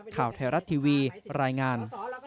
ข่าวไทยรัฐทีวีรายงาน